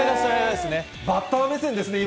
バッター目線ですね、今。